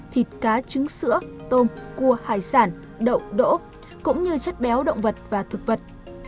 thịt cá trứng sữa tôm cua hải sản đậu đỗ cũng như chất béo động vật và thực vật